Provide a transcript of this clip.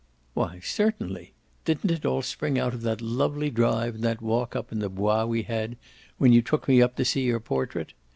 "Why certainly. Didn't it all spring out of that lovely drive and that walk up in the Bois we had when you took me up to see your portrait?